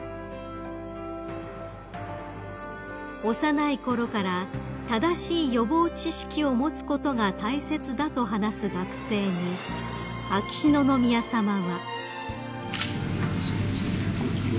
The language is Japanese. ［幼いころから正しい予防知識を持つことが大切だと話す学生に秋篠宮さまは］